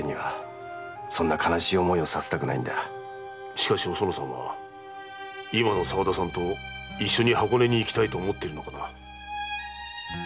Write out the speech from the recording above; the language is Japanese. しかしおそのさんは今の沢田さんと一緒に箱根に行きたいと思っているのかな？